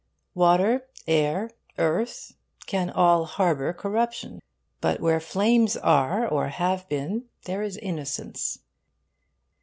Water, air, earth, can all harbour corruption; but where flames are, or have been, there is innocence.